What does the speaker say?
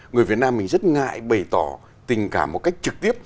người việt nam mình rất ngại bày tỏ tình cảm một cách trực tiếp